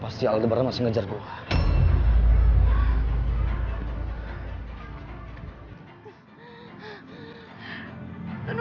pasti albaran masih ngejar gue